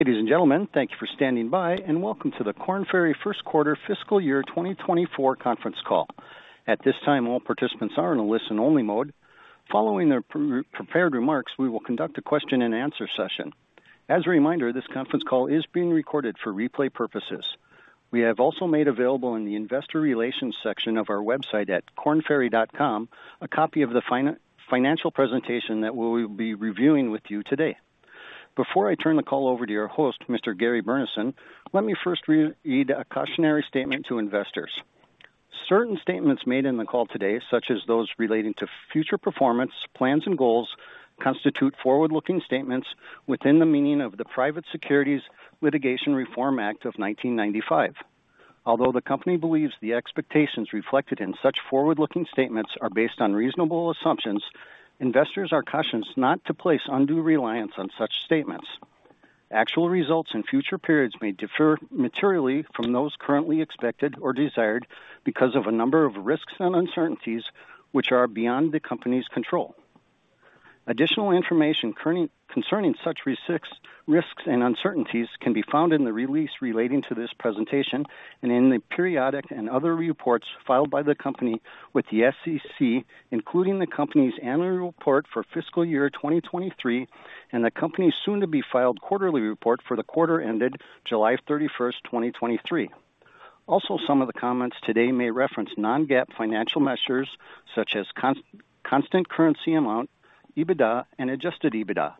Ladies and gentlemen, thank you for standing by, and welcome to the Korn Ferry First Quarter Fiscal Year 2024 Conference Call. At this time, all participants are in a listen-only mode. Following the prepared remarks, we will conduct a question-and-answer session. As a reminder, this conference call is being recorded for replay purposes. We have also made available in the investor relations section of our website at kornferry.com, a copy of the financial presentation that we will be reviewing with you today. Before I turn the call over to your host, Mr. Gary Burnison, let me first re-read a cautionary statement to investors. Certain statements made in the call today, such as those relating to future performance, plans, and goals, constitute forward-looking statements within the meaning of the Private Securities Litigation Reform Act of 1995. Although the company believes the expectations reflected in such forward-looking statements are based on reasonable assumptions, investors are cautioned not to place undue reliance on such statements. Actual results in future periods may differ materially from those currently expected or desired because of a number of risks and uncertainties which are beyond the company's control. Additional information concerning such risks and uncertainties can be found in the release relating to this presentation and in the periodic and other reports filed by the company with the SEC, including the company's annual report for fiscal year 2023, and the company's soon-to-be-filed quarterly report for the quarter ended July 31, 2023. Also, some of the comments today may reference non-GAAP financial measures such as constant currency amount, EBITDA, and Adjusted EBITDA.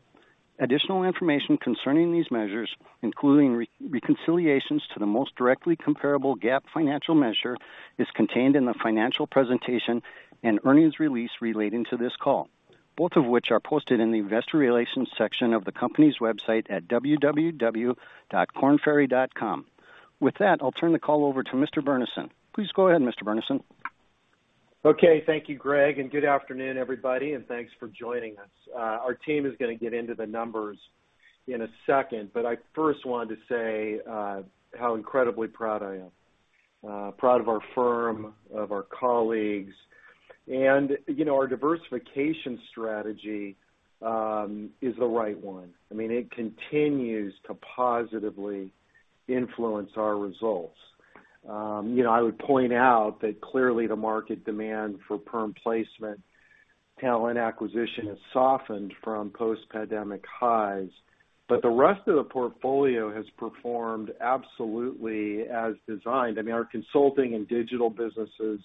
Additional information concerning these measures, including reconciliations to the most directly comparable GAAP financial measure, is contained in the financial presentation and earnings release relating to this call, both of which are posted in the Investor Relations section of the company's website at www.kornferry.com. With that, I'll turn the call over to Mr. Burnison. Please go ahead, Mr. Burnison. Okay, thank you, Gregg, and good afternoon, everybody, and thanks for joining us. Our team is gonna get into the numbers in a second, but I first wanted to say how incredibly proud I am. Proud of our firm, of our colleagues, and, you know, our diversification strategy is the right one. I mean, it continues to positively influence our results. You know, I would point out that clearly the market demand for perm placement, talent acquisition has softened from post-pandemic highs, but the rest of the portfolio has performed absolutely as designed. I mean, our consulting and digital businesses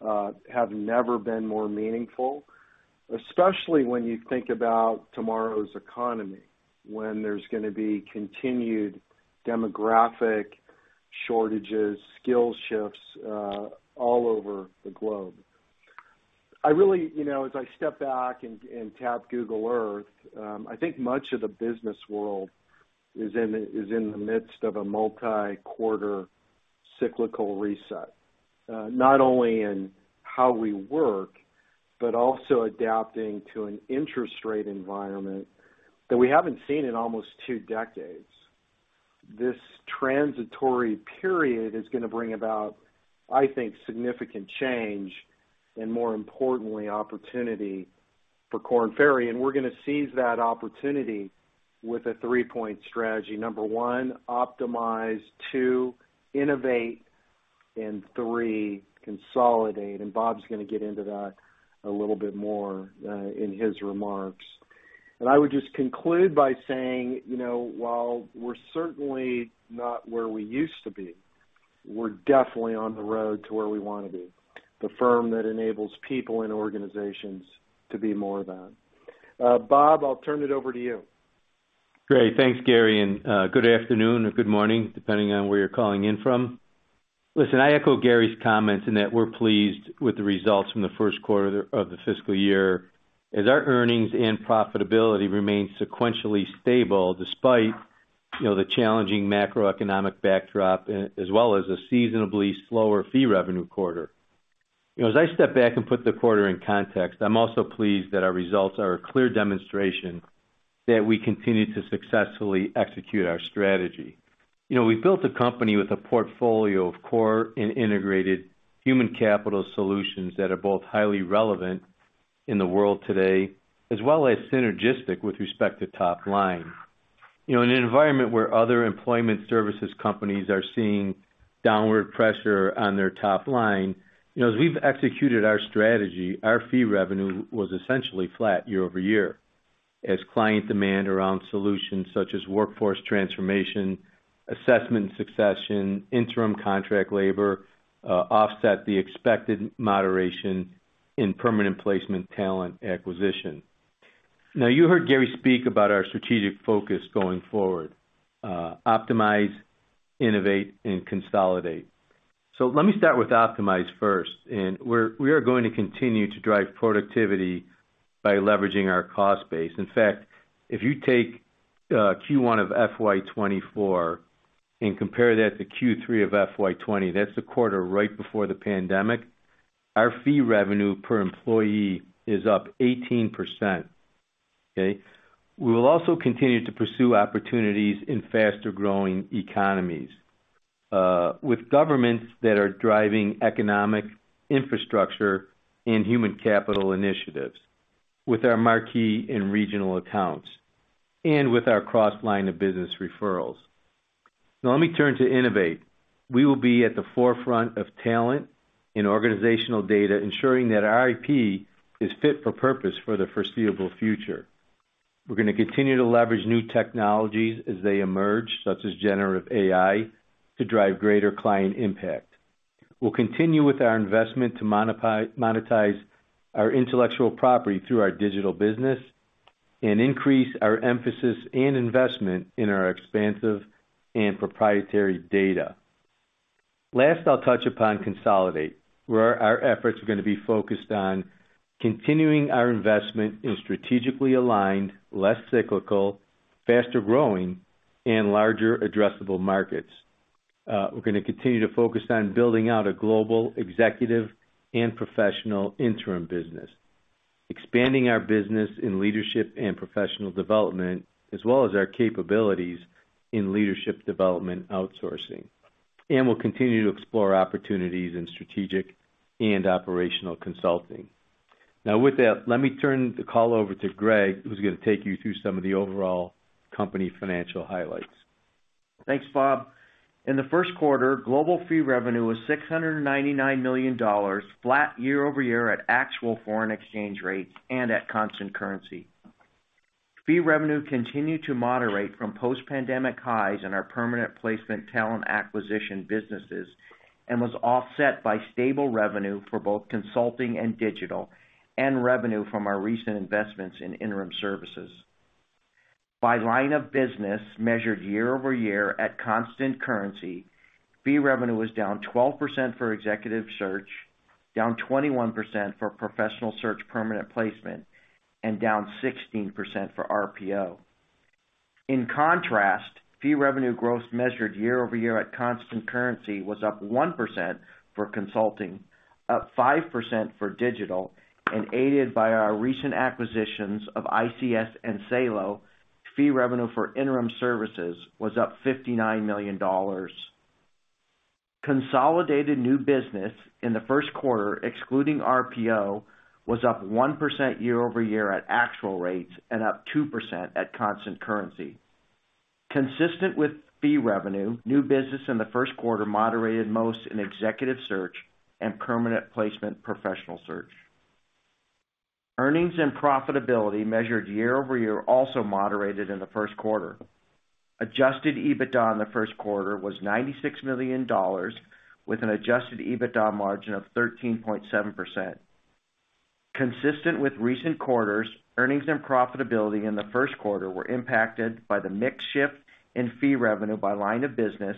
have never been more meaningful, especially when you think about tomorrow's economy, when there's gonna be continued demographic shortages, skills shifts, all over the globe. I really, you know, as I step back and tap Google Earth, I think much of the business world is in the midst of a multi-quarter cyclical reset, not only in how we work, but also adapting to an interest rate environment that we haven't seen in almost two decades. This transitory period is gonna bring about, I think, significant change and more importantly, opportunity for Korn Ferry, and we're gonna seize that opportunity with a three-point strategy. Number one, optimize. Two, innovate. And three, consolidate, and Bob's gonna get into that a little bit more in his remarks. And I would just conclude by saying, you know, while we're certainly not where we used to be, we're definitely on the road to where we wanna be, the firm that enables people and organizations to be more of that. Bob, I'll turn it over to you. Great. Thanks, Gary, and good afternoon or good morning, depending on where you're calling in from. Listen, I echo Gary's comments in that we're pleased with the results from the first quarter of the fiscal year, as our earnings and profitability remain sequentially stable, despite, you know, the challenging macroeconomic backdrop, as well as a seasonably slower fee revenue quarter. You know, as I step back and put the quarter in context, I'm also pleased that our results are a clear demonstration that we continue to successfully execute our strategy. You know, we've built a company with a portfolio of core and integrated human capital solutions that are both highly relevant in the world today, as well as synergistic with respect to top line. You know, in an environment where other employment services companies are seeing downward pressure on their top line, you know, as we've executed our strategy, our fee revenue was essentially flat year over year, as client demand around solutions such as workforce transformation, assessment and succession, interim contract labor, offset the expected moderation in permanent placement, talent acquisition. Now, you heard Gary speak about our strategic focus going forward: optimize, innovate, and consolidate. So let me start with optimize first, and we are going to continue to drive productivity by leveraging our cost base. In fact, if you take, Q1 of FY 2024 and compare that to Q3 of FY 2020, that's the quarter right before the pandemic, our fee revenue per employee is up 18%. Okay? We will also continue to pursue opportunities in faster-growing economies. with governments that are driving economic infrastructure and human capital initiatives, with our marquee and regional accounts, and with our cross-line of business referrals. Now, let me turn to innovate. We will be at the forefront of talent and organizational data, ensuring that our IP is fit for purpose for the foreseeable future. We're gonna continue to leverage new technologies as they emerge, such as generative AI, to drive greater client impact. We'll continue with our investment to monetize our intellectual property through our digital business and increase our emphasis and investment in our expansive and proprietary data. Last, I'll touch upon consolidate, where our efforts are gonna be focused on continuing our investment in strategically aligned, less cyclical, faster-growing, and larger addressable markets. We're gonna continue to focus on building out a global, executive, and professional interim business, expanding our business in leadership and professional development, as well as our capabilities in leadership development outsourcing. We'll continue to explore opportunities in strategic and operational consulting. Now, with that, let me turn the call over to Gregg, who's gonna take you through some of the overall company financial highlights. Thanks, Bob. In the first quarter, global fee revenue was $699 million, flat year-over-year at actual foreign exchange rates and at constant currency. Fee revenue continued to moderate from post-pandemic highs in our permanent placement talent acquisition businesses, and was offset by stable revenue for both consulting and digital, and revenue from our recent investments in interim services. By line of business, measured year-over-year at constant currency, fee revenue was down 12% for executive search, down 21% for professional search permanent placement, and down 16% for RPO. In contrast, fee revenue growth measured year-over-year at constant currency was up 1% for consulting, up 5% for digital, and aided by our recent acquisitions of ICS and Salo, fee revenue for interim services was up $59 million. Consolidated new business in the first quarter, excluding RPO, was up 1% year-over-year at actual rates and up 2% at constant currency. Consistent with fee revenue, new business in the first quarter moderated most in executive search and permanent placement professional search. Earnings and profitability measured year-over-year also moderated in the first quarter. Adjusted EBITDA in the first quarter was $96 million, with an Adjusted EBITDA margin of 13.7%. Consistent with recent quarters, earnings and profitability in the first quarter were impacted by the mix shift in fee revenue by line of business,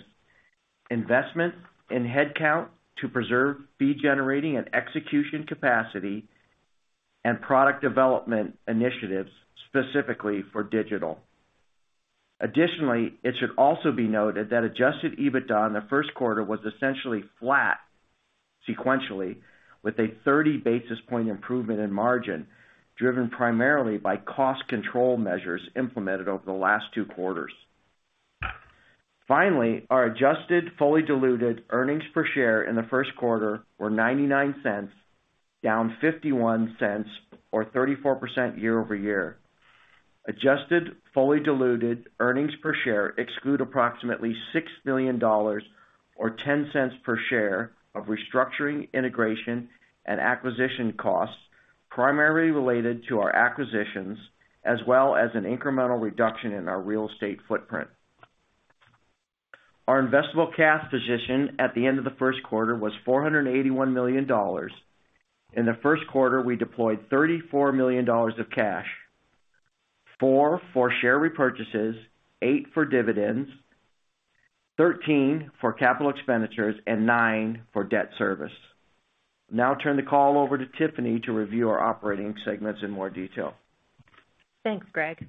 investment in headcount to preserve fee generating and execution capacity, and product development initiatives, specifically for digital. Additionally, it should also be noted that Adjusted EBITDA in the first quarter was essentially flat sequentially, with a 30 basis point improvement in margin, driven primarily by cost control measures implemented over the last two quarters. Finally, our adjusted fully diluted earnings per share in the first quarter were $0.99, down $0.51 or 34% year-over-year. Adjusted fully diluted earnings per share exclude approximately $6 million, or $0.10 per share, of restructuring, integration, and acquisition costs, primarily related to our acquisitions, as well as an incremental reduction in our real estate footprint. Our investable cash position at the end of the first quarter was $481 million. In the first quarter, we deployed $34 million of cash: $4 million for share repurchases, $8 million for dividends, $13 million for capital expenditures, and $9 million for debt service. Now I'll turn the call over to Tiffany to review our operating segments in more detail. Thanks, Gregg.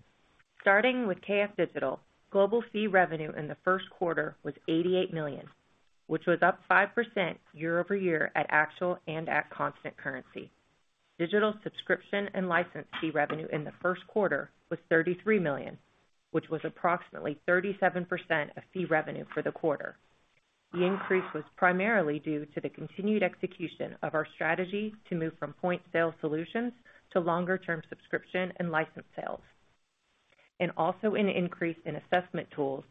Starting with KF Digital, global fee revenue in the first quarter was $88 million, which was up 5% year-over-year at actual and at constant currency. Digital subscription and license fee revenue in the first quarter was $33 million, which was approximately 37% of fee revenue for the quarter. The increase was primarily due to the continued execution of our strategy to move from point sales solutions to longer-term subscription and license sales, and also an increase in assessment tools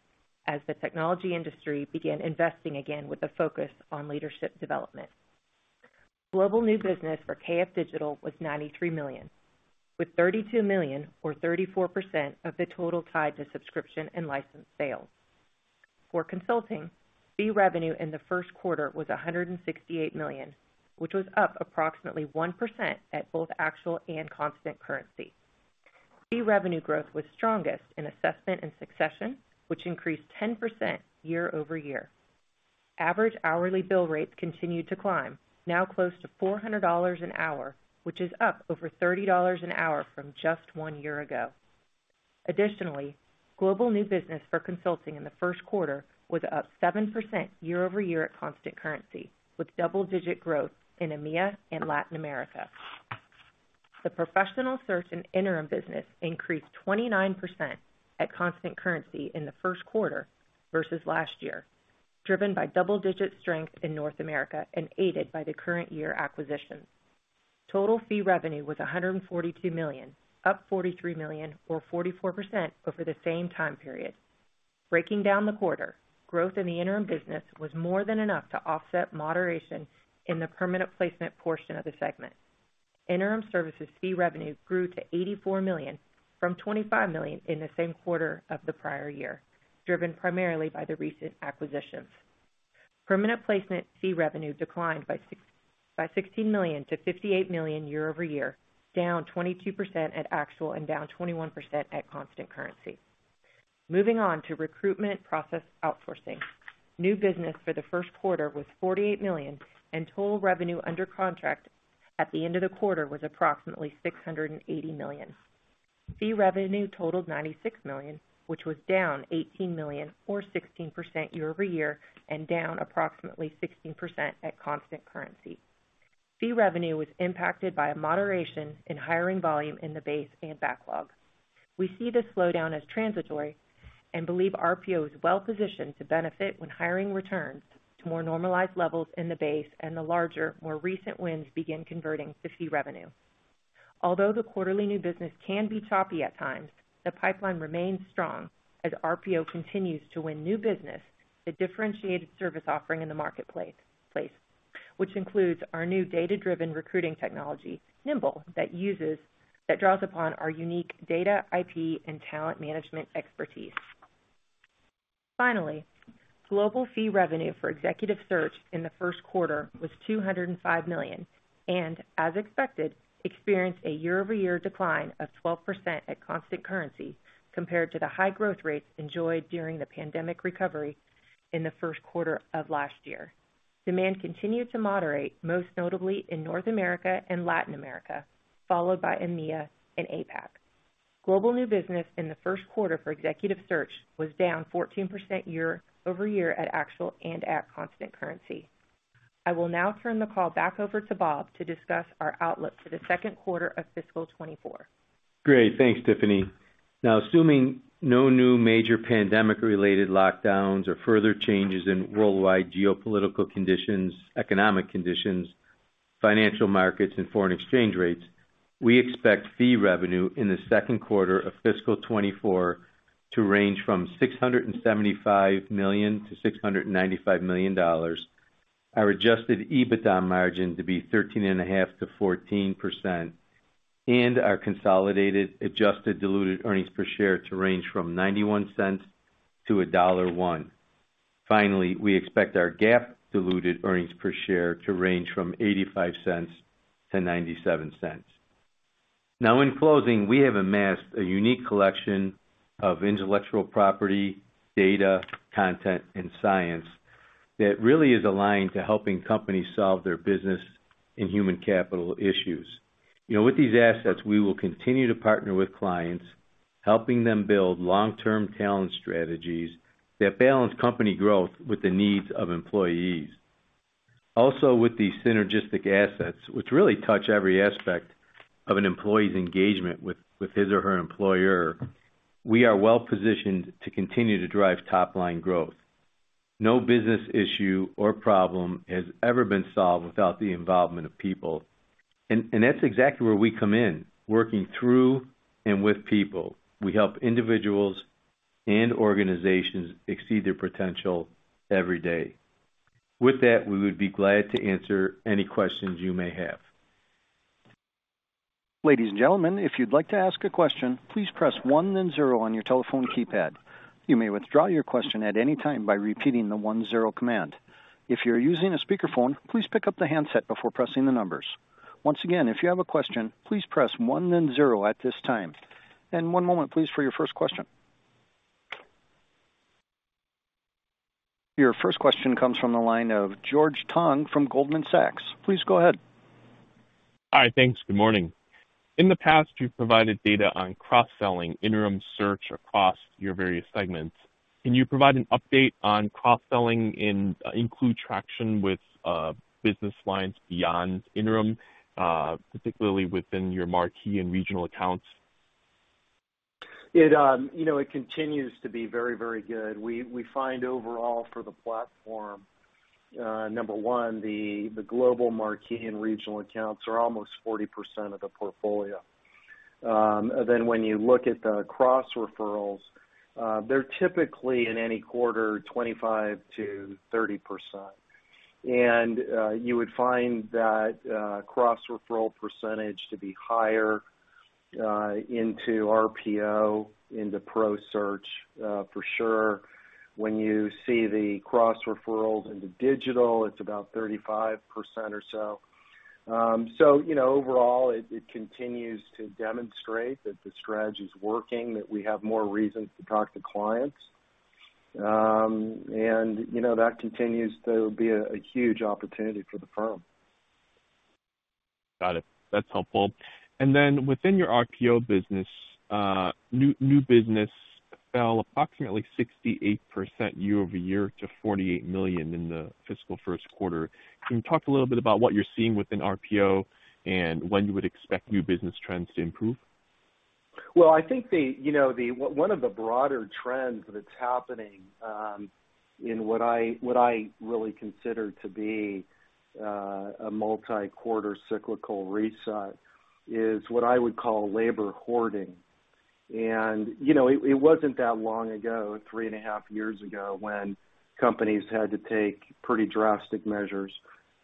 as the technology industry began investing again with a focus on leadership development. Global new business for KF Digital was $93 million, with $32 million, or 34% of the total tied to subscription and license sales. For consulting, fee revenue in the first quarter was $168 million, which was up approximately 1% at both actual and constant currency. Fee revenue growth was strongest in assessment and succession, which increased 10% year over year. Average hourly bill rates continued to climb, now close to $400 an hour, which is up over $30 an hour from just one year ago. Additionally, global new business for consulting in the first quarter was up 7% year over year at constant currency, with double-digit growth in EMEA and Latin America.... The professional search and interim business increased 29% at constant currency in the first quarter versus last year, driven by double-digit strength in North America and aided by the current year acquisitions. Total fee revenue was $142 million, up $43 million, or 44% over the same time period. Breaking down the quarter, growth in the interim business was more than enough to offset moderation in the permanent placement portion of the segment. Interim services fee revenue grew to $84 million from $25 million in the same quarter of the prior year, driven primarily by the recent acquisitions. Permanent placement fee revenue declined by sixteen million to $58 million year over year, down 22% at actual and down 21% at constant currency. Moving on to recruitment process outsourcing. New business for the first quarter was $48 million, and total revenue under contract at the end of the quarter was approximately $680 million. Fee revenue totaled $96 million, which was down $18 million, or 16% year over year, and down approximately 16% at constant currency. Fee revenue was impacted by a moderation in hiring volume in the base and backlog. We see this slowdown as transitory and believe RPO is well positioned to benefit when hiring returns to more normalized levels in the base and the larger, more recent wins begin converting to fee revenue. Although the quarterly new business can be choppy at times, the pipeline remains strong as RPO continues to win new business, a differentiated service offering in the marketplace, which includes our new data-driven recruiting technology, Nimble, that draws upon our unique data, IP, and talent management expertise. Finally, global fee revenue for executive search in the first quarter was $205 million and, as expected, experienced a year-over-year decline of 12% at constant currency compared to the high growth rates enjoyed during the pandemic recovery in the first quarter of last year. Demand continued to moderate, most notably in North America and Latin America, followed by EMEA and APAC. Global new business in the first quarter for executive search was down 14% year-over-year at actual and at constant currency. I will now turn the call back over to Bob to discuss our outlook for the second quarter of fiscal 2024. Great. Thanks, Tiffany. Now, assuming no new major pandemic-related lockdowns or further changes in worldwide geopolitical conditions, economic conditions, financial markets, and foreign exchange rates, we expect fee revenue in the second quarter of fiscal 2024 to range from $675 million-$695 million. Our Adjusted EBITDA margin to be 13.5%-14%, and our consolidated adjusted diluted earnings per share to range from $0.91-$1.01. Finally, we expect our GAAP diluted earnings per share to range from $0.85-$0.97. Now, in closing, we have amassed a unique collection of intellectual property, data, content, and science that really is aligned to helping companies solve their business and human capital issues. You know, with these assets, we will continue to partner with clients, helping them build long-term talent strategies that balance company growth with the needs of employees. Also, with these synergistic assets, which really touch every aspect of an employee's engagement with his or her employer, we are well positioned to continue to drive top-line growth. No business issue or problem has ever been solved without the involvement of people, and that's exactly where we come in, working through and with people. We help individuals and organizations exceed their potential every day. With that, we would be glad to answer any questions you may have. Ladies and gentlemen, if you'd like to ask a question, please press one then zero on your telephone keypad. You may withdraw your question at any time by repeating the one-zero command. If you're using a speakerphone, please pick up the handset before pressing the numbers. Once again, if you have a question, please press one, then zero at this time. One moment, please, for your first question. Your first question comes from the line of George Tong from Goldman Sachs. Please go ahead. Hi, thanks. Good morning. In the past, you've provided data on cross-selling interim search across your various segments. Can you provide an update on cross-selling in, include traction with, business lines beyond interim, particularly within your marquee and regional accounts? You know, it continues to be very, very good. We find overall for the platform, number one, the global marquee and regional accounts are almost 40% of the portfolio. Then when you look at the cross referrals, they're typically in any quarter, 25%-30%. You would find that cross-referral percentage to be higher into RPO, into Professional Search, for sure. When you see the cross referrals into digital, it's about 35% or so. So you know, overall, it continues to demonstrate that the strategy is working, that we have more reasons to talk to clients. You know, that continues to be a huge opportunity for the firm. Got it. That's helpful. And then within your RPO business, new business fell approximately 68% year-over-year to $48 million in the fiscal first quarter. Can you talk a little bit about what you're seeing within RPO and when you would expect new business trends to improve? Well, I think you know one of the broader trends that's happening in what I really consider to be a multi-quarter cyclical reset is what I would call labor hoarding. You know, it wasn't that long ago, three and a half years ago, when companies had to take pretty drastic measures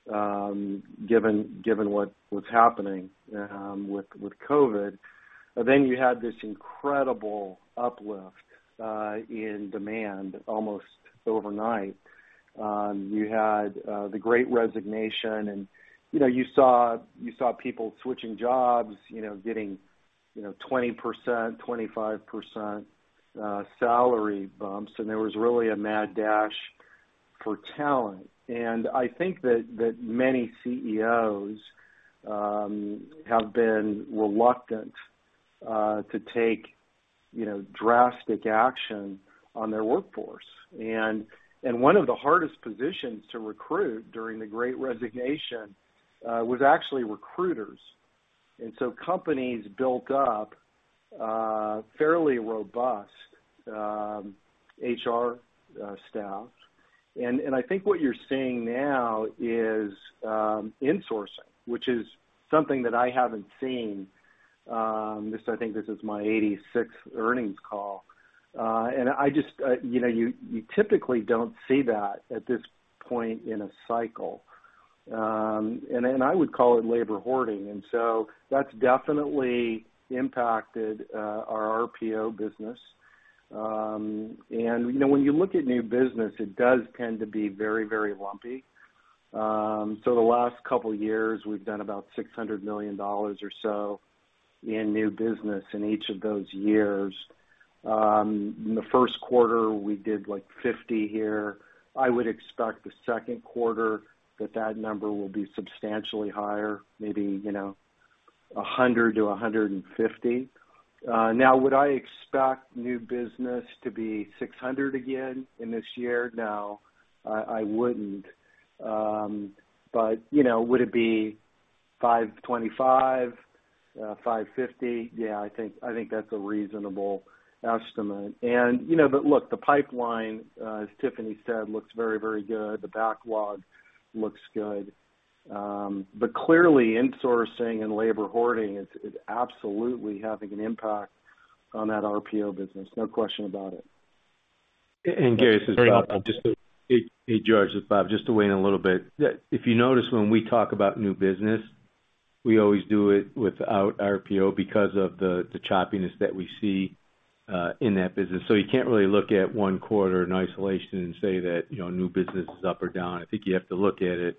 given what was happening with COVID. But then you had this incredible uplift in demand almost overnight. You had the Great Resignation and you know you saw people switching jobs you know getting 20%, 25% salary bumps, and there was really a mad dash for talent. And I think that many CEOs have been reluctant to take you know drastic action on their workforce. One of the hardest positions to recruit during the Great Resignation was actually recruiters. Companies built up fairly robust HR staff. I think what you're seeing now is insourcing, which is something that I haven't seen. I think this is my 86th earnings call. I just, you know, typically don't see that at this point in a cycle. I would call it labor hoarding, and so that's definitely impacted our RPO business. You know, when you look at new business, it does tend to be very, very lumpy. The last couple of years, we've done about $600 million or so in new business in each of those years. In the first quarter, we did, like, $50 million here. I would expect the second quarter that that number will be substantially higher, maybe, you know, 100-150. Now, would I expect new business to be 600 again in this year? No, I, I wouldn't. You know, would it be 525, 550? Yeah, I think, I think that's a reasonable estimate. You know, look, the pipeline, as Tiffany said, looks very, very good. The backlog looks good. Clearly, insourcing and labor hoarding is, is absolutely having an impact on that RPO business, no question about it. Gary, hey, George, it's Bob. Just to weigh in a little bit, that if you notice, when we talk about new business, we always do it without RPO because of the choppiness that we see in that business. So you can't really look at one quarter in isolation and say that, you know, new business is up or down. I think you have to look at it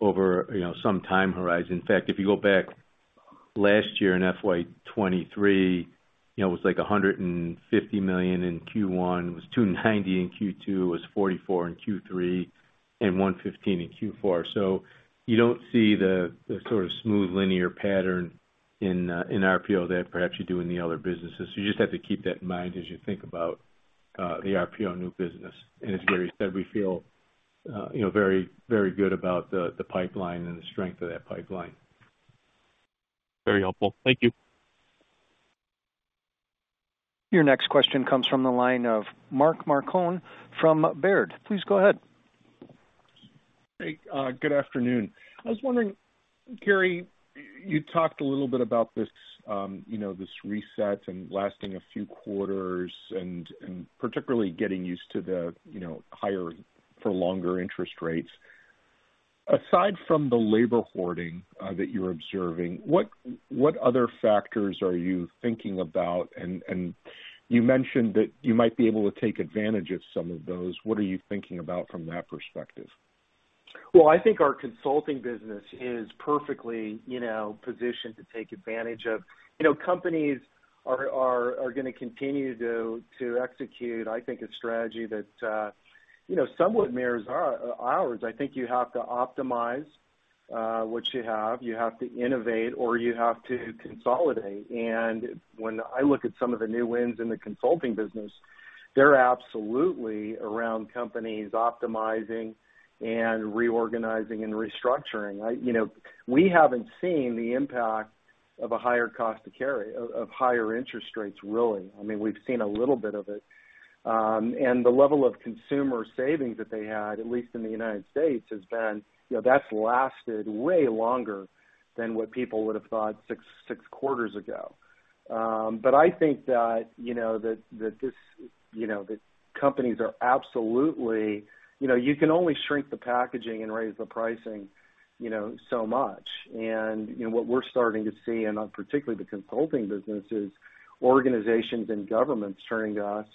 over, you know, some time horizon. In fact, if you go back last year in FY 2023, you know, it was, like, $150 million in Q1, it was $290 million in Q2, it was $44 million in Q3, and $115 million in Q4. So you don't see the sort of smooth linear pattern in RPO that perhaps you do in the other businesses. You just have to keep that in mind as you think about the RPO new business. And as Gary said, we feel, you know, very, very good about the pipeline and the strength of that pipeline. Very helpful. Thank you. Your next question comes from the line of Mark Marcon from Baird. Please go ahead. Hey, good afternoon. I was wondering, Gary, you talked a little bit about this, you know, this reset and lasting a few quarters and, and particularly getting used to the, you know, higher for longer interest rates. Aside from the labor hoarding that you're observing, what, what other factors are you thinking about? And, and you mentioned that you might be able to take advantage of some of those. What are you thinking about from that perspective? Well, I think our consulting business is perfectly, you know, positioned to take advantage of... You know, companies are gonna continue to execute, I think, a strategy that, you know, somewhat mirrors ours. I think you have to optimize what you have, you have to innovate, or you have to consolidate. And when I look at some of the new wins in the consulting business, they're absolutely around companies optimizing and reorganizing and restructuring. You know, we haven't seen the impact of a higher cost to carry, of higher interest rates, really. I mean, we've seen a little bit of it. And the level of consumer savings that they had, at least in the United States, has been, you know, that's lasted way longer than what people would have thought six quarters ago. But I think that, you know, companies are absolutely—you know, you can only shrink the packaging and raise the pricing, you know, so much. And, you know, what we're starting to see, and particularly the consulting business, is organizations and governments turning to us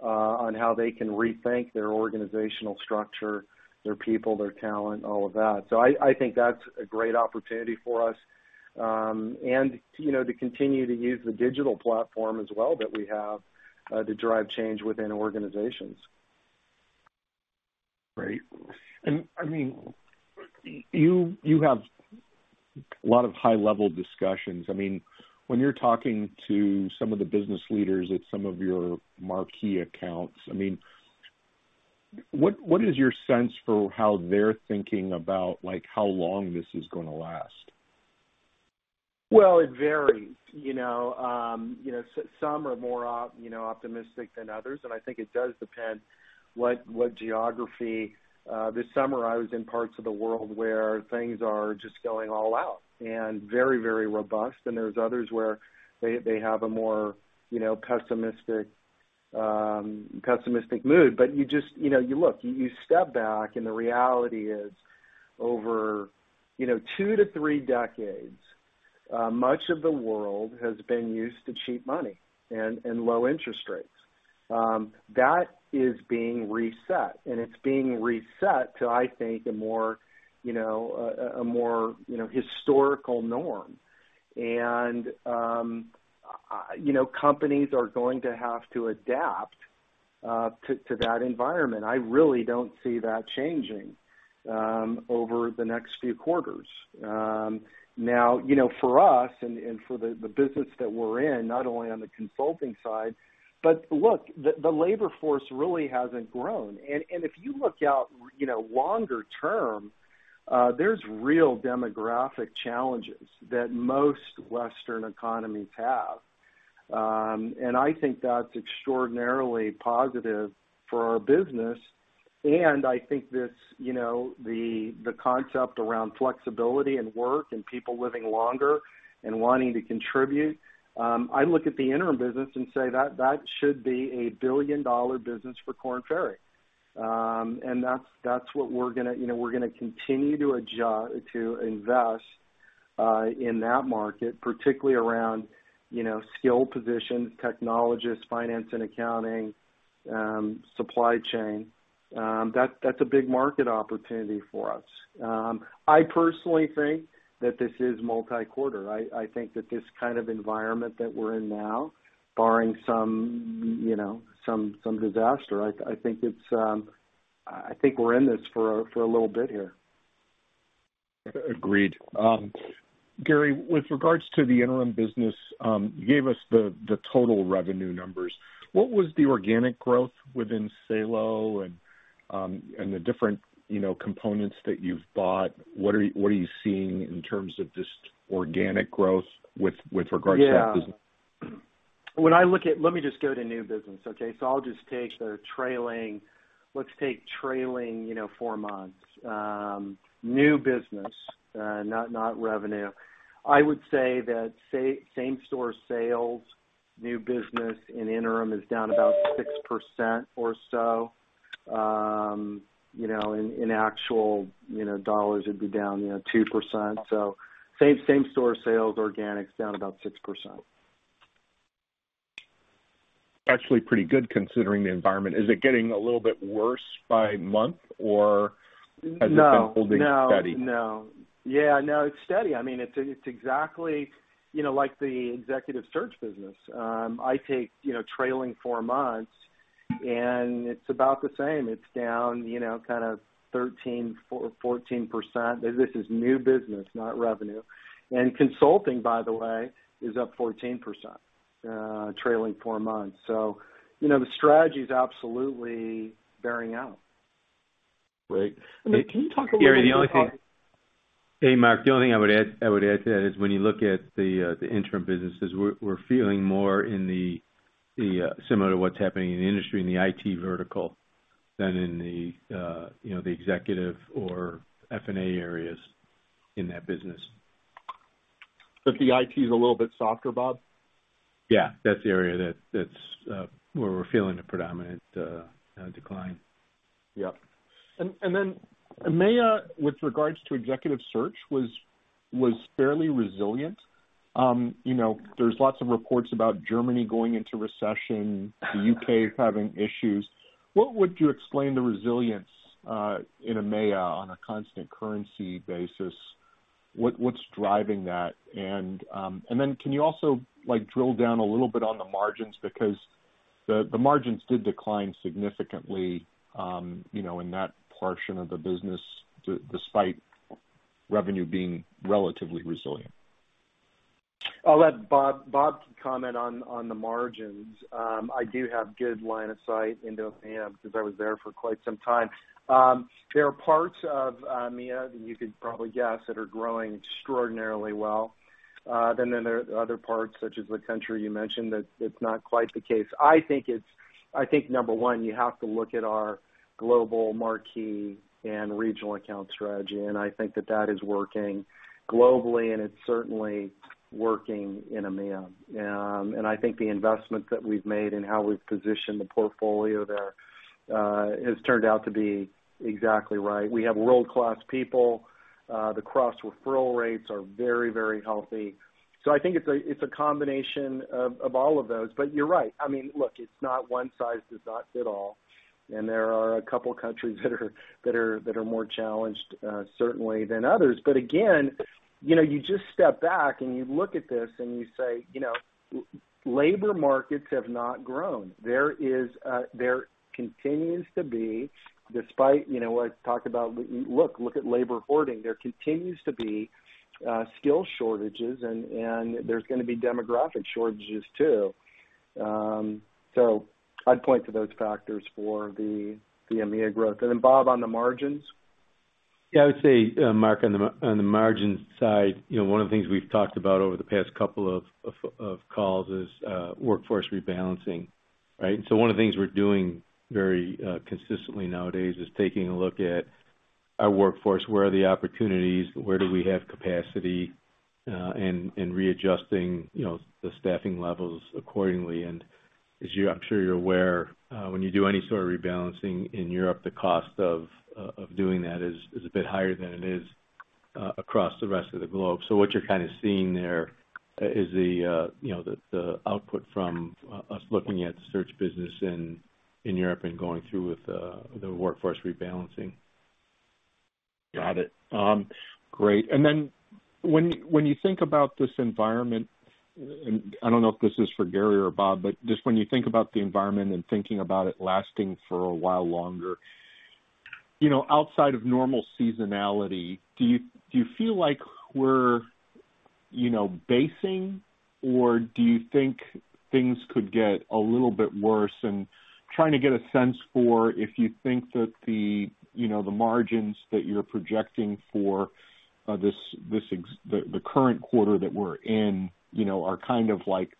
on how they can rethink their organizational structure, their people, their talent, all of that. So I think that's a great opportunity for us, and, you know, to continue to use the digital platform as well, that we have, to drive change within organizations. ... Right? And I mean, you have a lot of high-level discussions. I mean, when you're talking to some of the business leaders at some of your marquee accounts, I mean, what is your sense for how they're thinking about, like, how long this is gonna last? Well, it varies, you know. Some are more optimistic than others, and I think it does depend what geography. This summer I was in parts of the world where things are just going all out and very, very robust, and there's others where they have a more, you know, pessimistic mood. But you just, you know, you look, you step back, and the reality is, over, you know, two to three decades, much of the world has been used to cheap money and low interest rates. That is being reset, and it's being reset to, I think, a more, you know, a more historical norm. And, you know, companies are going to have to adapt to that environment. I really don't see that changing over the next few quarters. Now, you know, for us and for the business that we're in, not only on the consulting side, but look, the labor force really hasn't grown. And if you look out, you know, longer term, there's real demographic challenges that most Western economies have. And I think that's extraordinarily positive for our business. And I think this, you know, the concept around flexibility and work and people living longer and wanting to contribute, I look at the interim business and say that should be a billion-dollar business for Korn Ferry. And that's what we're gonna, you know, we're gonna continue to invest in that market, particularly around, you know, skilled positions, technologists, finance and accounting, supply chain. That's a big market opportunity for us. I personally think that this is multi-quarter. I think that this kind of environment that we're in now, barring some, you know, disaster, I think it's... I think we're in this for a little bit here. Agreed. Gary, with regards to the interim business, you gave us the total revenue numbers. What was the organic growth within Salo and the different, you know, components that you've bought? What are you seeing in terms of just organic growth with regards to that business? Yeah. When I look at... Let me just go to new business, okay? So I'll just take the trailing, let's take trailing, you know, 4 months, new business, not revenue. I would say that same-store sales, new business in interim is down about 6% or so. You know, in actual, you know, dollars, it'd be down, you know, 2%. So same-store sales, organics down about 6%. Actually, pretty good considering the environment. Is it getting a little bit worse by month, or- No. Has it been holding steady? No, no. Yeah, no, it's steady. I mean, it's, it's exactly, you know, like the executive search business. I take, you know, trailing four months, and it's about the same. It's down, you know, kind of 13%-14%. This is new business, not revenue. And consulting, by the way, is up 14%, trailing four months. So, you know, the strategy is absolutely bearing out. Great. Can you talk a little bit about- Gary, the only thing- Hey, Mark, the only thing I would add to that is when you look at the interim businesses, we're feeling more similar to what's happening in the industry in the IT vertical than in, you know, the executive or F&A areas in that business. So the IT is a little bit softer, Bob? Yeah, that's the area that, that's where we're feeling the predominant decline. Yep. And then EMEA, with regards to executive search, was fairly resilient. You know, there's lots of reports about Germany going into recession, the UK having issues. What would you explain the resilience in EMEA on a Constant Currency basis? What's driving that? And then can you also, like, drill down a little bit on the margins? Because the margins did decline significantly, you know, in that portion of the business, despite revenue being relatively resilient. I'll let Bob, Bob comment on, on the margins. I do have good line of sight into EMEA because I was there for quite some time. There are parts of EMEA that you could probably guess that are growing extraordinarily well. Then there are other parts, such as the country you mentioned, that it's not quite the case. I think it's—I think, number one, you have to look at our global marquee and regional account strategy, and I think that that is working globally, and it's certainly working in EMEA. And I think the investment that we've made and how we've positioned the portfolio there has turned out to be exactly right. We have world-class people. The cross-referral rates are very, very healthy. So I think it's a, it's a combination of all of those. But you're right. I mean, look, it's not one size does not fit all, and there are a couple of countries that are more challenged, certainly than others. But again, you know, you just step back and you look at this and you say, you know, labor markets have not grown. There continues to be, despite, you know, what I've talked about, look at labor hoarding. There continues to be skill shortages, and there's gonna be demographic shortages, too.... so I'd point to those factors for the EMEA growth. And then, Bob, on the margins? Yeah, I would say, Mark, on the margin side, you know, one of the things we've talked about over the past couple of calls is workforce rebalancing, right? So one of the things we're doing very consistently nowadays is taking a look at our workforce, where are the opportunities, where do we have capacity, and readjusting, you know, the staffing levels accordingly. And as I'm sure you're aware, when you do any sort of rebalancing in Europe, the cost of doing that is a bit higher than it is across the rest of the globe. So what you're kind of seeing there is you know, the output from us looking at the search business in Europe and going through with the workforce rebalancing. Got it. Great. And then when you think about this environment, and I don't know if this is for Gary or Bob, but just when you think about the environment and thinking about it lasting for a while longer, you know, outside of normal seasonality, do you feel like we're, you know, basing, or do you think things could get a little bit worse? And trying to get a sense for if you think that the, you know, the margins that you're projecting for the current quarter that we're in, you know, are kind of like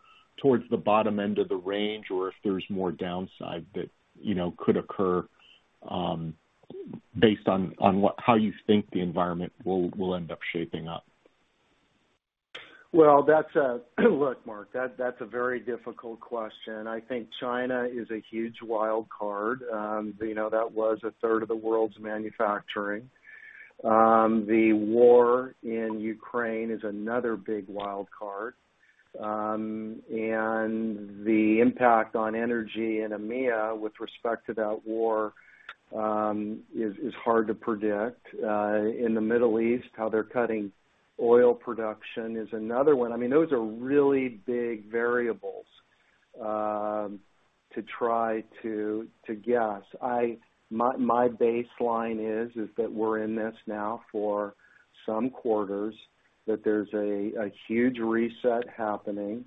towards the bottom end of the range, or if there's more downside that, you know, could occur based on what how you think the environment will end up shaping up. Well, that's a... Look, Mark, that, that's a very difficult question. I think China is a huge wild card. You know, that was a third of the world's manufacturing. The war in Ukraine is another big wild card. And the impact on energy in EMEA, with respect to that war, is, is hard to predict. In the Middle East, how they're cutting oil production is another one. I mean, those are really big variables, to try to, to guess. My, my baseline is, is that we're in this now for some quarters, that there's a, a huge reset happening.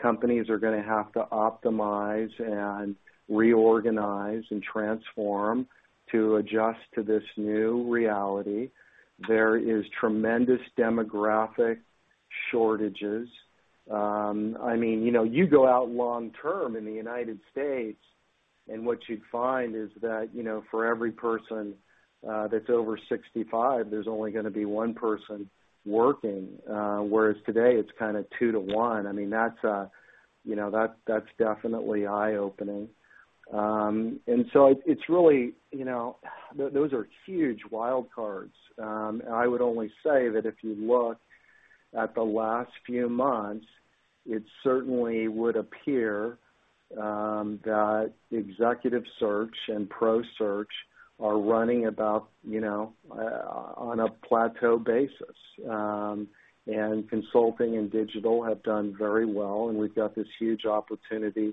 Companies are gonna have to optimize and reorganize and transform to adjust to this new reality. There is tremendous demographic shortages. I mean, you know, you go out long term in the United States, and what you'd find is that, you know, for every person that's over 65, there's only gonna be one person working, whereas today it's kind of 2-to-1. I mean, that's, you know, that's definitely eye-opening. And so it's really, you know, those are huge wild cards. And I would only say that if you look at the last few months, it certainly would appear that executive search and ProSearch are running about, you know, on a plateau basis. And consulting and digital have done very well, and we've got this huge opportunity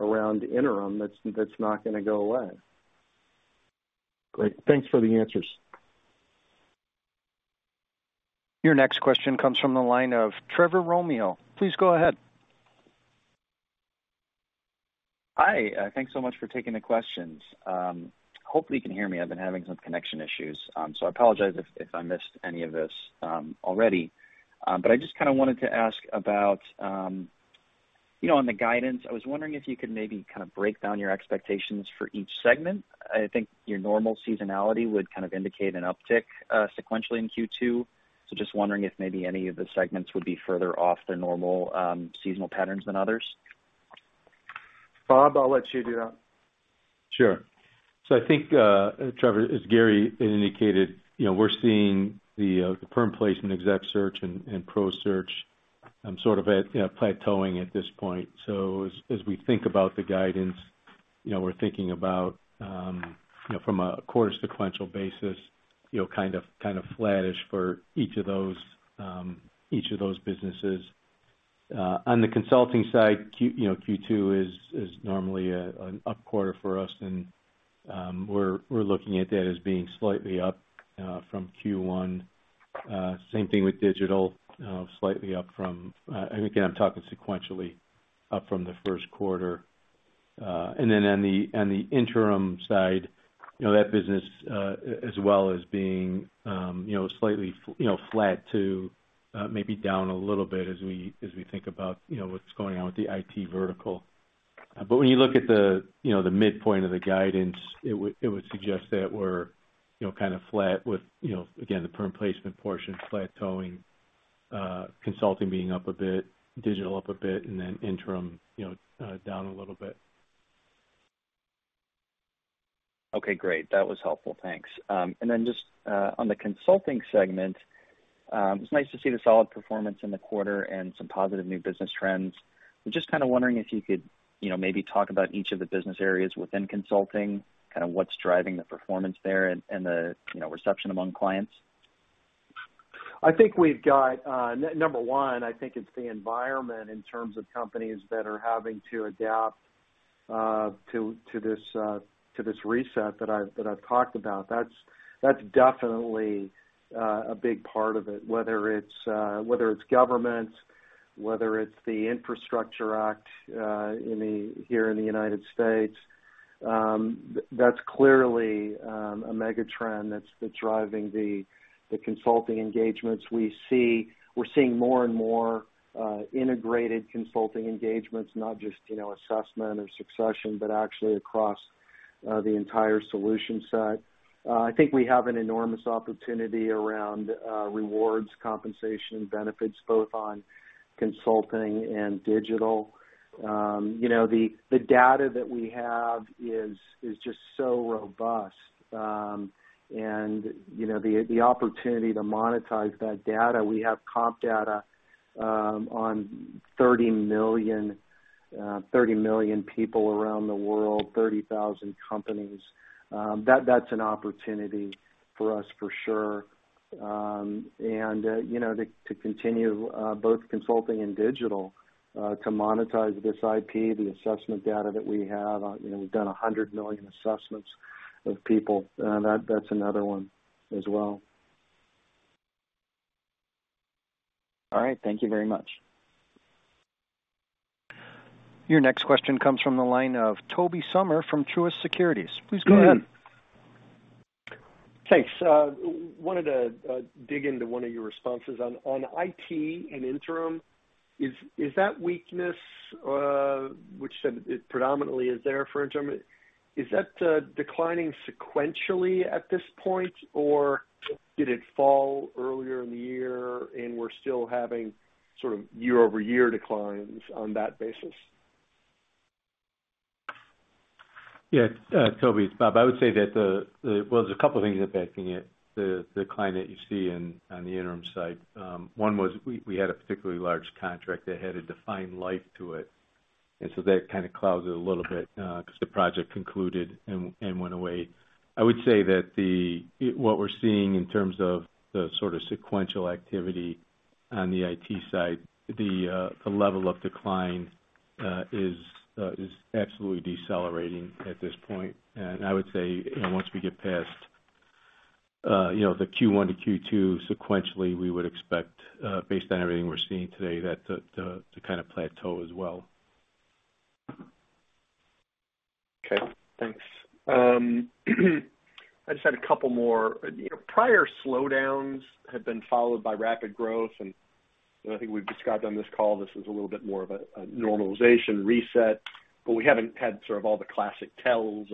around interim that's not gonna go away. Great. Thanks for the answers. Your next question comes from the line of Trevor Romeo. Please go ahead. Hi, thanks so much for taking the questions. Hopefully, you can hear me. I've been having some connection issues, so I apologize if I missed any of this already. But I just kind of wanted to ask about, you know, on the guidance, I was wondering if you could maybe kind of break down your expectations for each segment. I think your normal seasonality would kind of indicate an uptick sequentially in Q2. So just wondering if maybe any of the segments would be further off their normal seasonal patterns than others. Bob, I'll let you do that. Sure. So I think, Trevor, as Gary indicated, you know, we're seeing the perm placement, ExecSearch, and ProSearch sort of at, you know, plateauing at this point. So as we think about the guidance, you know, we're thinking about, you know, from a quarter sequential basis, you know, kind of flattish for each of those businesses. On the consulting side, Q2 is normally an up quarter for us, and we're looking at that as being slightly up from Q1. Same thing with digital, slightly up from... And again, I'm talking sequentially up from the first quarter. And then the interim side, you know, that business, as well as being, you know, slightly flat to, maybe down a little bit as we think about, you know, what's going on with the IT vertical. But when you look at the midpoint of the guidance, it would suggest that we're, you know, kind of flat with, you know, again, the perm placement portion plateauing, consulting being up a bit, digital up a bit, and then interim, you know, down a little bit. Okay, great. That was helpful. Thanks. And then just on the consulting segment, it's nice to see the solid performance in the quarter and some positive new business trends. I'm just kind of wondering if you could, you know, maybe talk about each of the business areas within consulting, kind of what's driving the performance there and the, you know, reception among clients. I think we've got, number one, I think it's the environment in terms of companies that are having to adapt to this reset that I've talked about. That's definitely a big part of it, whether it's governments, whether it's the Infrastructure Act, here in the United States, that's clearly a mega trend that's driving the consulting engagements we see. We're seeing more and more integrated consulting engagements, not just, you know, assessment or succession, but actually across the entire solution set. I think we have an enormous opportunity around rewards, compensation, and benefits, both on consulting and digital. You know, the data that we have is just so robust. And, you know, the opportunity to monetize that data, we have comp data on 30 million, 30 million people around the world, 30,000 companies. That's an opportunity for us for sure. And, you know, to continue both consulting and digital to monetize this IP, the assessment data that we have, you know, we've done 100 million assessments of people. That's another one as well. All right. Thank you very much. Your next question comes from the line of Tobey Sommer from Truist Securities. Please go ahead. Thanks. Wanted to dig into one of your responses. On IT and interim, is that weakness, which said it predominantly is there for interim, is that declining sequentially at this point, or did it fall earlier in the year and we're still having sort of year-over-year declines on that basis? Yeah, Tobey, it's Bob. I would say that the... Well, there's a couple of things impacting it, the decline that you see on the interim side. One was we had a particularly large contract that had a defined life to it, and so that kind of clouds it a little bit, because the project concluded and went away. I would say that the... What we're seeing in terms of the sort of sequential activity on the IT side, the level of decline is absolutely decelerating at this point. And I would say, you know, once we get past, you know, the Q1 to Q2, sequentially, we would expect, based on everything we're seeing today, that to kind of plateau as well. Okay, thanks. I just had a couple more. You know, prior slowdowns have been followed by rapid growth, and I think we've described on this call, this is a little bit more of a normalization reset, but we haven't had sort of all the classic tells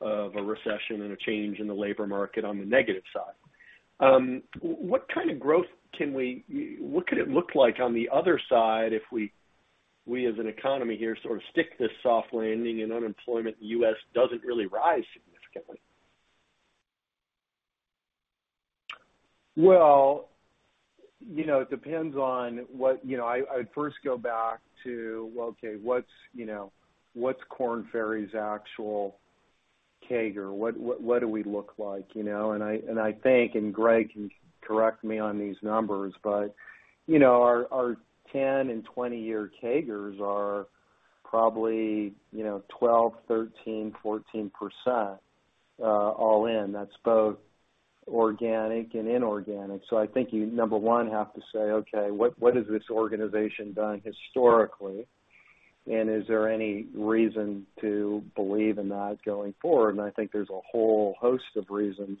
of a recession and a change in the labor market on the negative side. What kind of growth can we—what could it look like on the other side if we, as an economy here, sort of stick this soft landing and unemployment in the U.S. doesn't really rise significantly? Well, you know, it depends on what... You know, I, I'd first go back to, well, okay, what's, you know, what's Korn Ferry's actual CAGR? What, what, what do we look like, you know? And I, and I think, and Gregg can correct me on these numbers, but, you know, our, our 10- and 20-year CAGRs are probably, you know, 12%, 13%, 14%, all in. That's both organic and inorganic. So I think you, number one, have to say, okay, what, what has this organization done historically? And is there any reason to believe in that going forward? And I think there's a whole host of reasons,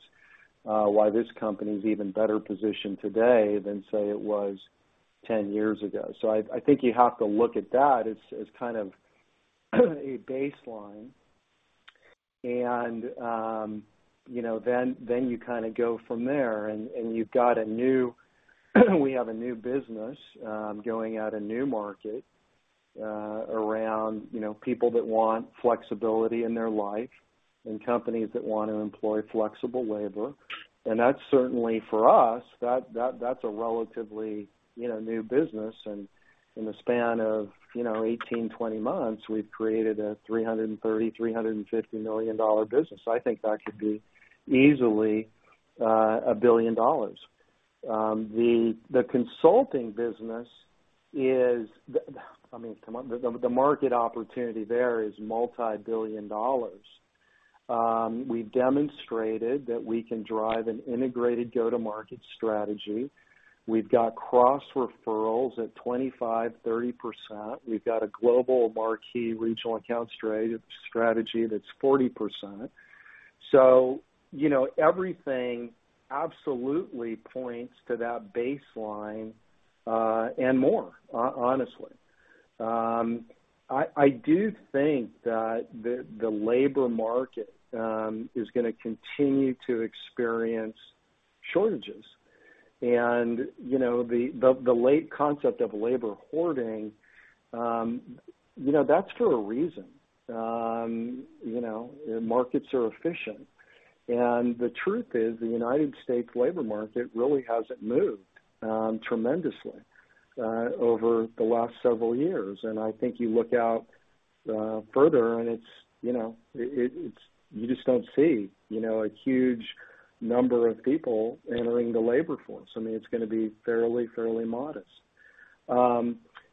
why this company is even better positioned today than, say, it was 10 years ago. So I, I think you have to look at that as, as kind of, a baseline. You know, then you kind of go from there and you've got a new, we have a new business going at a new market, around people that want flexibility in their life and companies that want to employ flexible labor. That's certainly for us, that's a relatively new business. In the span of 18-20 months, we've created a $330 million-$350 million business. I think that could be easily a billion dollars. The consulting business is, I mean, come on, the market opportunity there is multibillion dollars. We've demonstrated that we can drive an integrated go-to-market strategy. We've got cross-referrals at 25-30%. We've got a global marquee regional account strategy that's 40%. You know, everything absolutely points to that baseline, and more, honestly. I do think that the labor market is gonna continue to experience shortages. You know, the late concept of labor hoarding, you know, that's for a reason. You know, markets are efficient, and the truth is, the U.S. labor market really hasn't moved tremendously over the last several years. I think you look out further and it's, you know, you just don't see a huge number of people entering the labor force. I mean, it's gonna be fairly, fairly modest.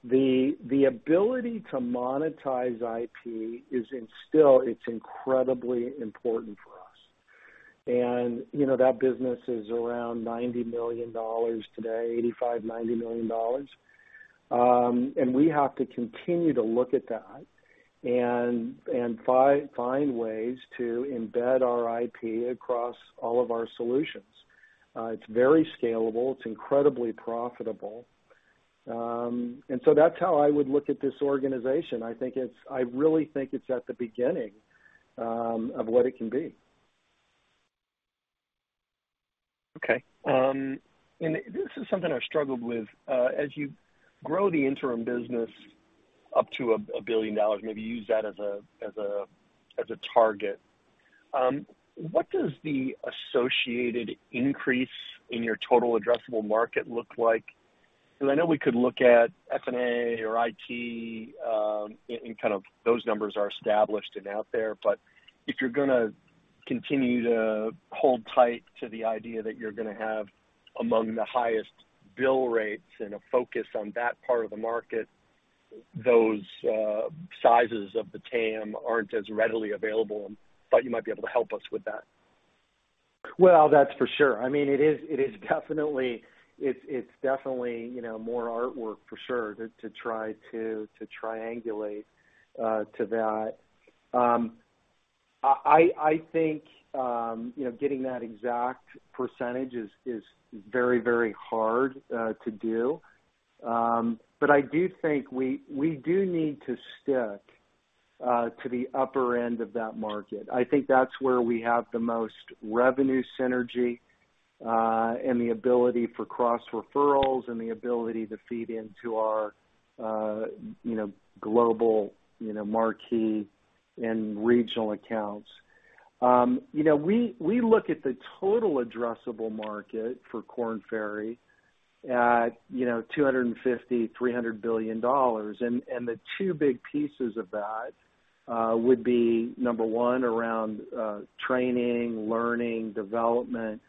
The ability to monetize IP is in still, it's incredibly important for us. You know, that business is around $90 million today, $85-$90 million. And we have to continue to look at that and find ways to embed our IP across all of our solutions. It's very scalable, it's incredibly profitable. And so that's how I would look at this organization. I think it's. I really think it's at the beginning of what it can be. Okay. And this is something I struggled with. As you grow the interim business up to $1 billion, maybe use that as a target, what does the associated increase in your total addressable market look like? Because I know we could look at FNA or IT, and kind of those numbers are established and out there. But if you're gonna continue to hold tight to the idea that you're gonna have among the highest bill rates and a focus on that part of the market, those sizes of the TAM aren't as readily available, but you might be able to help us with that. Well, that's for sure. I mean, it is, it is definitely, it's, it's definitely, you know, more artwork for sure, to, to try to, to triangulate to that. I think, you know, getting that exact percentage is, is very, very hard to do. But I do think we, we do need to stick to the upper end of that market. I think that's where we have the most revenue synergy and the ability for cross-referrals, and the ability to feed into our, you know, global, you know, marquee and regional accounts. You know, we, we look at the total addressable market for Korn Ferry at, you know, $250-$300 billion. And the two big pieces of that would be, number one, around training, learning, development.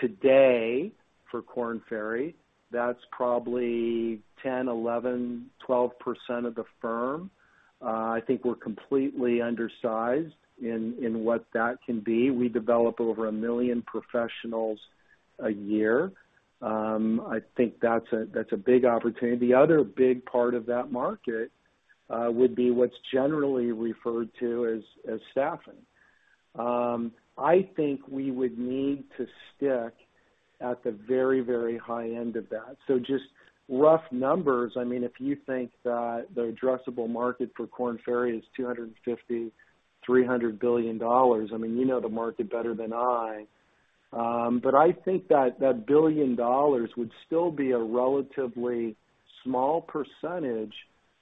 Today, for Korn Ferry, that's probably 10%-12% of the firm. I think we're completely undersized in what that can be. We develop over 1 million professionals a year. I think that's a big opportunity. The other big part of that market would be what's generally referred to as staffing. I think we would need to stick at the very, very high end of that. So just rough numbers, I mean, if you think that the addressable market for Korn Ferry is $250-$300 billion, I mean, you know the market better than I. But I think that $1 billion would still be a relatively small percentage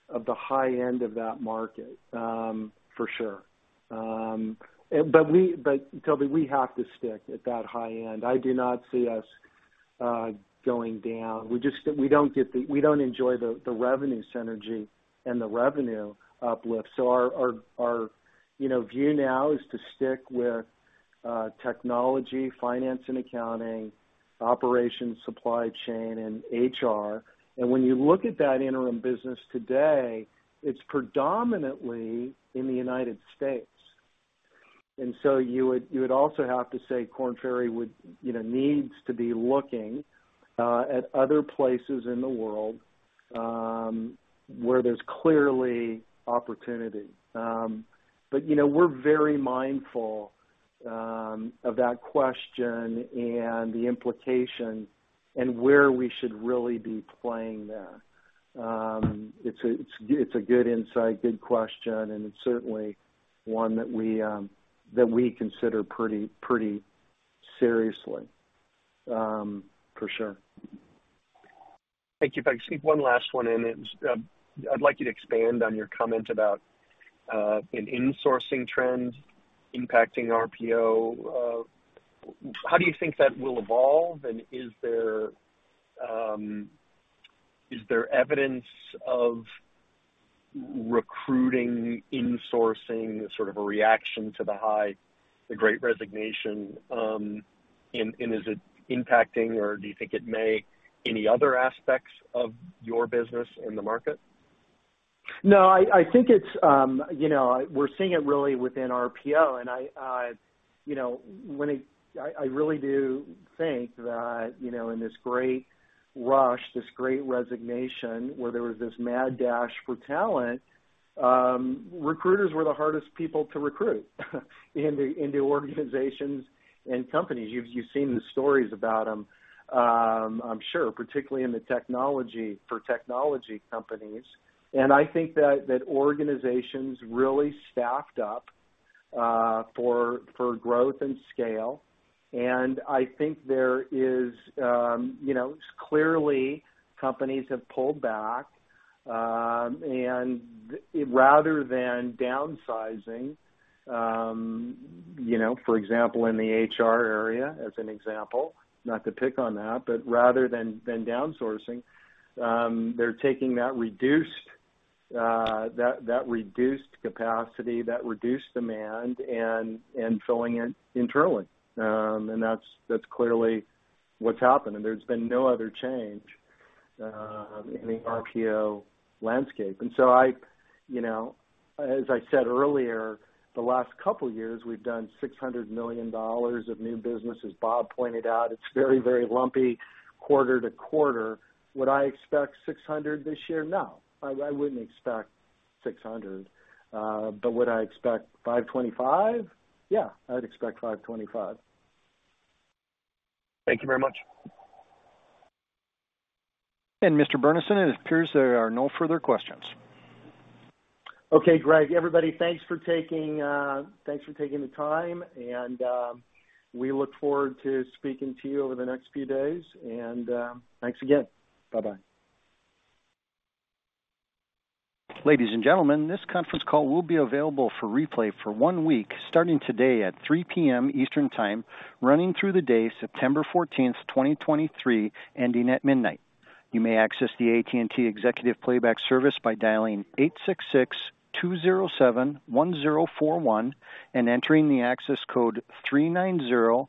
of the high end of that market, for sure. But Toby, we have to stick at that high end. I do not see us going down. We just don't get the revenue synergy and the revenue uplift. So our view now is to stick with technology, finance and accounting, operations, supply chain, and HR. And when you look at that interim business today, it's predominantly in the United States. And so you would also have to say Korn Ferry would, you know, needs to be looking at other places in the world where there's clearly opportunity. But you know, we're very mindful of that question and the implication and where we should really be playing that. It's a good insight, good question, and it's certainly one that we consider pretty seriously for sure. Thank you. If I can sneak one last one in, and I'd like you to expand on your comment about an insourcing trend impacting RPO. How do you think that will evolve? And is there evidence of recruiting insourcing sort of a reaction to the high, the great resignation, and is it impacting, or do you think it may any other aspects of your business in the market? No, I think it's, you know, we're seeing it really within RPO, and I you know, when it, I really do think that, you know, in this great rush, this great resignation, where there was this mad dash for talent, recruiters were the hardest people to recruit, in the organizations and companies. You've seen the stories about them, I'm sure, particularly in the technology, for technology companies. And I think that organizations really staffed up, for growth and scale. And I think there is, you know, clearly companies have pulled back, and rather than downsizing, you know, for example, in the HR area, as an example, not to pick on that, but rather than down sourcing, they're taking that reduced, that reduced capacity, that reduced demand and filling in internally. And that's, that's clearly what's happened, and there's been no other change in the RPO landscape. And so I, you know, as I said earlier, the last couple of years, we've done $600 million of new business. As Bob pointed out, it's very, very lumpy quarter to quarter. Would I expect six hundred this year? No, I, I wouldn't expect six hundred. But would I expect five twenty-five? Yeah, I'd expect five twenty-five. Thank you very much. Mr. Burnison, it appears there are no further questions. Okay, Gregg, everybody, thanks for taking the time, and we look forward to speaking to you over the next few days. Thanks again. Bye-bye. Ladies and gentlemen, this conference call will be available for replay for one week, starting today at 3 P.M. Eastern Time, running through the day, September fourteenth, 2023, ending at midnight. You may access the AT&T Executive Playback service by dialing 866-207-1041 and entering the access code 390-0121.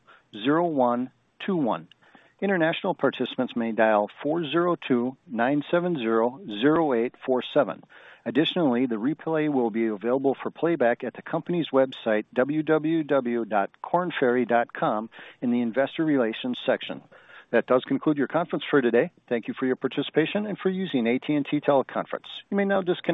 International participants may dial 402-970-0847. Additionally, the replay will be available for playback at the company's website, www.kornferry.com, in the Investor Relations section. That does conclude your conference for today. Thank you for your participation and for using AT&T Teleconference. You may now disconnect.